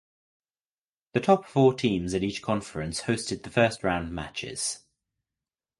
The top four teams in each conference hosted the first round matches.